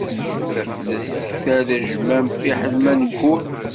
Taflest tektal ajmam fiḥel ma neggul.